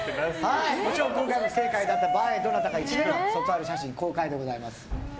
もちろん今回も不正解だった場合はどなたか１名の卒アル写真公開でございます。